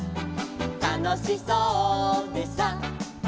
「たのしそうでさ」